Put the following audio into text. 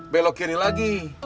belok kiri lagi